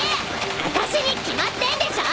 あたしに決まってんでしょ！